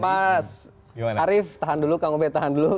pak arief tahan dulu kang ubed tahan dulu